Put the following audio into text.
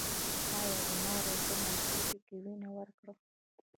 ایا زما روژه ماتیږي که وینه ورکړم؟